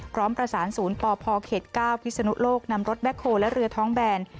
พร้อมประสานศูนย์ปพเขต๙พิศนุโลกนำรถแคลและเรือท้องแบน